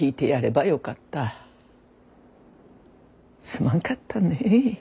すまんかったね。